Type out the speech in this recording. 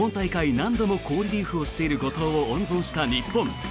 何度も好リリーフをしている後藤を温存した日本。